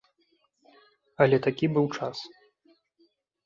Але такі быў час!